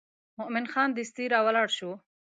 مومن خان دستي راولاړ شو.